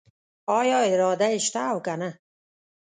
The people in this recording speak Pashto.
آیا اراده یې شته او کنه؟